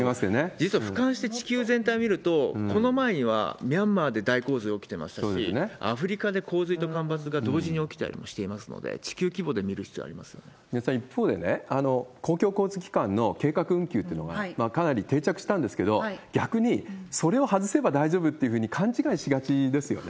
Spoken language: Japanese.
実はふかんして地球全体を見ると、この前にはミャンマーで大洪水起きてましたし、アフリカで洪水と干ばつが同時に起きたりもしてますので、地球規三輪さん、一方でね、公共交通機関の計画運休というのがかなり定着したんですけれども、逆にそれを外せば大丈夫っていうふうに勘違いしがちですよね。